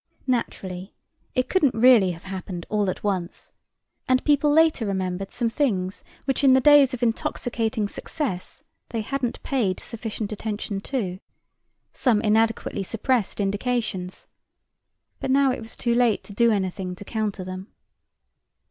Naturally, it couldn't really have happened all at once, and people later remembered some things which in the days of intoxicating success they hadn't paid sufficient attention to, some inadequately suppressed indications, but now it was too late to do anything to counter them.